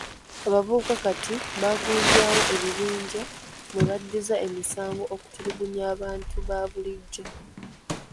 Abavubuka kati bagunjaawo bibinja mwe baddiza emisango okutulugunya abantu ba bulijjo.